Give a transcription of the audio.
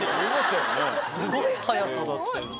すごい早さだったよ。